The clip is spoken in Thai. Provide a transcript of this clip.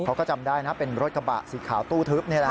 เขาก็จำได้นะเป็นรถกระบะสีขาวตู้ทึบนี่แหละ